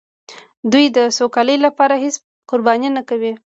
دوی د سوکالۍ لپاره هېڅ قرباني نه کوي.